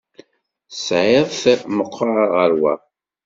Tesɛiḍ-t meqqer ɣer wa?